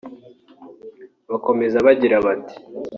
bakomeza bagira bati